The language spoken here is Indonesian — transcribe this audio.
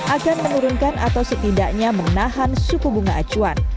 akan menurunkan atau setidaknya menahan suku bunga acuan